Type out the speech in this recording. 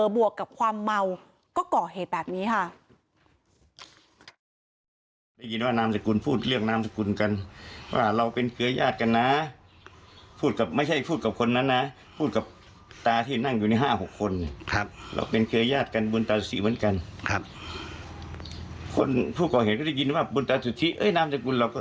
บวกกับความเมาก็ก่อเหตุแบบนี้ค่ะ